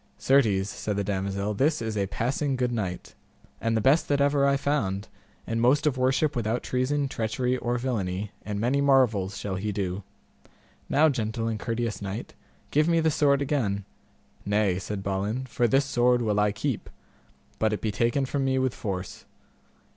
Certes, said the damosel, this is a passing good knight, and the best that ever I found, and most of worship without treason, treachery, or villainy, and many marvels shall he do. Now, gentle and courteous knight, give me the sword again. Nay, said Balin, for this sword will I keep, but it be taken from me with force.